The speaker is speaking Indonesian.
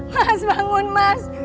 mas bangun mas